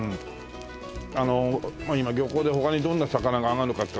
あの今漁港で他にどんな魚が揚がるのかとか。